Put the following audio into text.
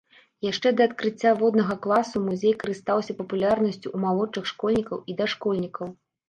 Яшчэ да адкрыцця воднага класу музей карыстаўся папулярнасцю ў малодшых школьнікаў і дашкольнікаў.